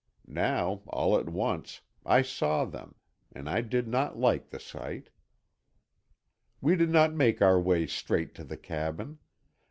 Now, all at once, I saw them, and I did not like the sight. We did not make our way straight to the cabin.